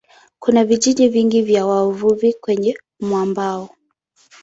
Kuna vijiji vingi vya wavuvi kwenye mwambao.